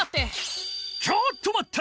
ちょっとまった！